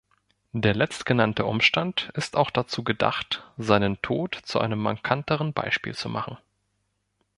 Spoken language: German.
Der letztgenannte Umstand ist auch dazu gedacht, seinen Tod zu einem markanteren Beispiel zu machen.